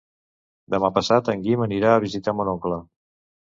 Demà passat en Guim anirà a visitar mon oncle.